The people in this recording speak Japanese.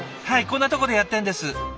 はいこんなとこでやってんです。